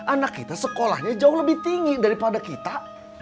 anak kita sekolahnya jauh lebih tinggi daripada kita